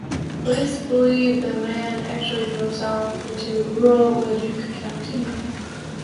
Police believe the man actually drove south into rural Leduc County.